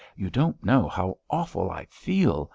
You don't know how awful I feel!